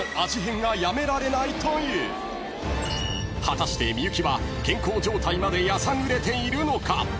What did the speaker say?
［果たして幸は健康状態までやさぐれているのか？］